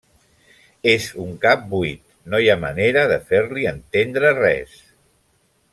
És un cap buit. No hi ha manera de fer-li entendre res.